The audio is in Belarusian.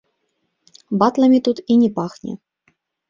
Батламі тут і не пахне.